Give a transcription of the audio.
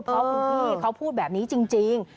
เพราะคุณพี่เขาพูดแบบนี้จริง